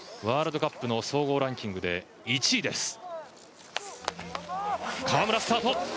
ワールドカップの総合ランキングで１位です。